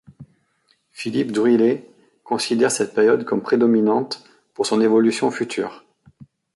Philippe Druillet considère cette période comme prédominante pour son évolution future.